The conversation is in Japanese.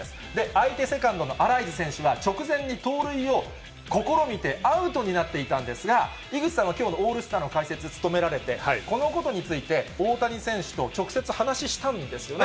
相手セカンドのアライズ選手は、直前に盗塁を試みてアウトになっていたんですが、井口さんはきょうのオールスターの解説務められて、このことについて大谷選手と直接話したんですよね？